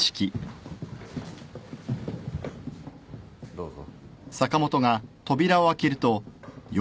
どうぞ。